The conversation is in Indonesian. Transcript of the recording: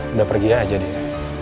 udah pergi aja nih